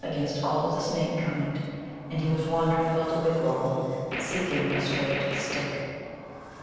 105 against all of the snake kind. And he was wandering about the wigwam, seeking a straight stick.